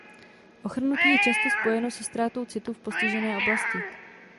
Ochrnutí je často spojeno se ztrátou citu v postižené oblasti.